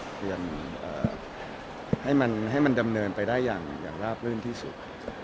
เปลี่ยนให้มันดำเนินไปได้อย่างราบรื่นที่สุด